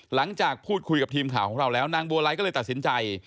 หลังจากพูดคุยกับทีมข่าวของเราแล้วนางบัวไลก็เลยตัดสินใจ